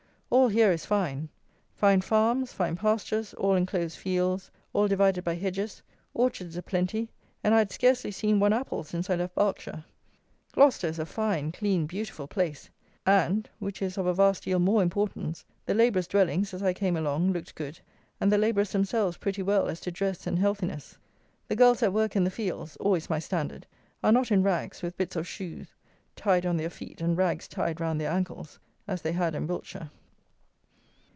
All here is fine; fine farms; fine pastures; all enclosed fields; all divided by hedges; orchards a plenty; and I had scarcely seen one apple since I left Berkshire. GLOUCESTER is a fine, clean, beautiful place; and, which is of a vast deal more importance, the labourers' dwellings, as I came along, looked good, and the labourers themselves pretty well as to dress and healthiness. The girls at work in the fields (always my standard) are not in rags, with bits of shoes tied on their feet and rags tied round their ankles, as they had in Wiltshire.